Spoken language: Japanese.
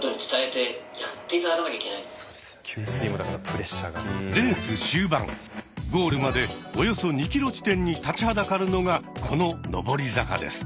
レース終盤ゴールまでおよそ２ｋｍ地点に立ちはだかるのがこの上り坂です。